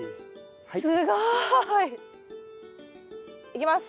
すごい。いきます。